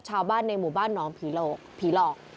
ชาวบ้านในหมู่บ้านหนองผีหลอก